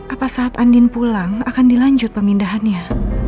apa saat andin pulang akan dilanjut pemindahannya